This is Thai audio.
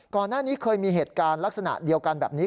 ก่อนหน้านี้เคยมีเหตุการณ์ลักษณะเดียวกันแบบนี้